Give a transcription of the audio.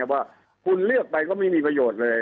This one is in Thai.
แต่ว่าคุณเลือกไปก็ไม่มีประโยชน์เลย